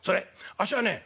あっしはね